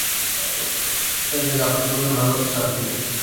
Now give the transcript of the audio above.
El del apretón de manos es antiguo.